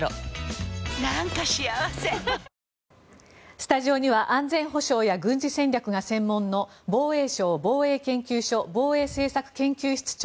スタジオには安全保障や軍事戦略が専門の防衛省防衛研究所防衛政策研究室長